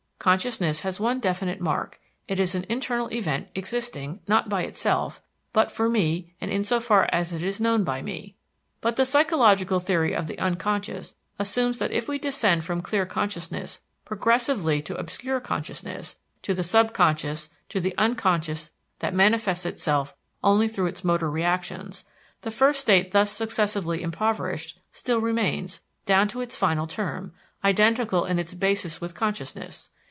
Consciousness has one definite mark it is an internal event existing, not by itself, but for me and insofar as it is known by me. But the psychological theory of the unconscious assumes that if we descend from clear consciousness progressively to obscure consciousness, to the subconscious, to the unconscious that manifests itself only through its motor reactions, the first state thus successively impoverished, still remains, down to its final term, identical in its basis with consciousness.